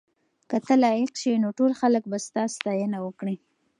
که ته لایق شې نو ټول خلک به ستا ستاینه وکړي.